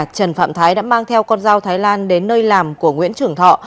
trần phạm thái đã mang theo con dao thái lan đến nơi làm của nguyễn trưởng thọ